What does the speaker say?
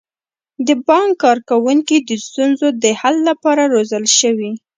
د بانک کارکوونکي د ستونزو د حل لپاره روزل شوي.